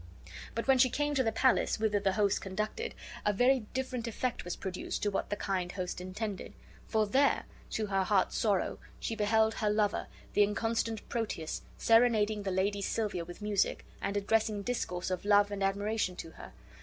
But when she came to the palace whither the host conducted a very different effect was produced to what the kind host intended; for there, to her heart's sorrow, she beheld her lover, the inconstant Proteus, serenading the Lady Silvia with music, and addressing discourse of love and admiration to her.